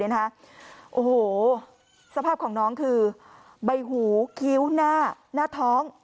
โอ้โหสภาพของน้องคือใบหูคิ้วหน้าหน้าท้อง